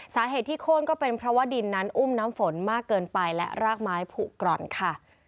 สาเหตุที่โค้นก็เป็นเพราะว่าดินนั้นอุ้มน้ำฝนมากเกินไปและรากไม้ผูกร่อนค่ะ